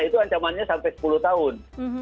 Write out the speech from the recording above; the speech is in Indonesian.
itu ancamannya sampai sepuluh tahun